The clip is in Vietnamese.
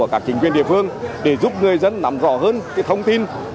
các chính quyền địa phương để giúp người dân nắm rõ hơn thông tin